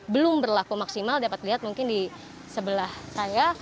belum berlaku maksimal dapat dilihat mungkin di sebelah saya